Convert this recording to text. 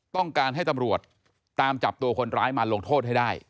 ต้องการให้ตำรวจตามจับตัวคนร้ายมาลงโทษให้ได้